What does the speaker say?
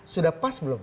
sudah pas belum